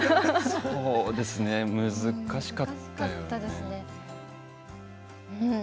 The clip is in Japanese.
そうですね難しかったですね。